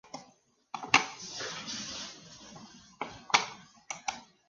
Inició gestiones para la creación de la universidad.